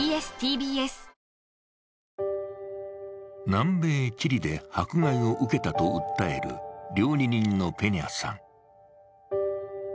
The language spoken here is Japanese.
南米チリで迫害を受けたと訴える料理人のペニャさん。